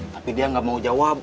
tapi dia nggak mau jawab